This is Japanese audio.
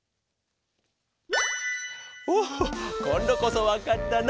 おっこんどこそわかったな。